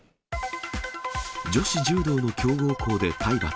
女子柔道の強豪校で体罰。